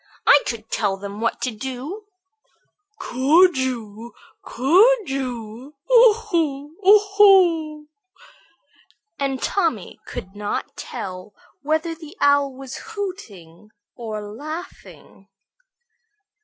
"I could tell them what to do." "Could you, could you? Oo hoo! oo hoo!" and Tommy could not tell whether the Owl was hooting or laughing.